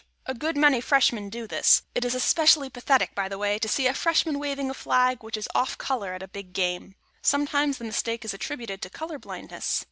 A good many Freshmen do this; it is especially pathetic, by the way, to see a Freshman waving a flag which is off color at a big game. Sometimes the mistake is attributed to color blindness.